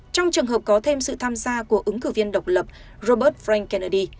trong trường hợp có thêm sự tham gia của ứng cử viên độc lập robert frank kennedy